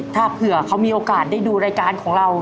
ถ้าเผื่อเขามีโอกาสได้ดูรายการของเรา